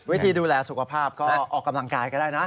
วิธีดูแลสุขภาพก็ออกกำลังกายก็ได้นะ